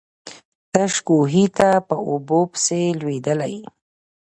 تش کوهي ته په اوبو پسي لوېدلی.